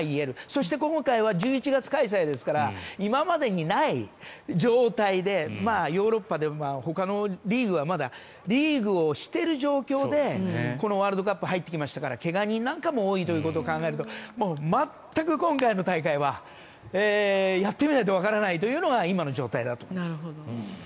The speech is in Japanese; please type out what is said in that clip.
そして、今回は１１月開催ですから今までにない状態でヨーロッパでは、ほかのリーグはまだリーグをしている状況でこのワールドカップに入ってきましたから怪我人なんかも多いということを考えると全く今回の大会はやってみないとわからないというのが今の状態だと思います。